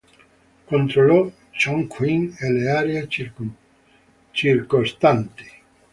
Controllò Chongqing e le aree circostanti.